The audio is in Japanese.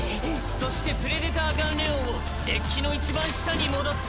そしてプレデター・ガンレオンをデッキのいちばん下に戻す。